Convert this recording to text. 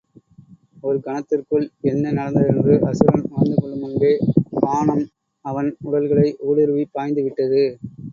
ஒரு கணத்திற்குள், என்ன நடந்த தென்று அசுரன் உணர்ந்துகொள்ளுமுன்பே, பாணம் அவன் உடல்களை ஊடுருவிப் பாய்ந்துவிட்டது!